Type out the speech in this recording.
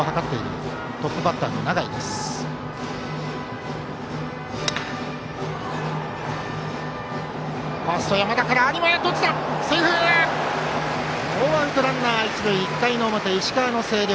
ノーアウトランナー、一塁１回の表、石川・星稜。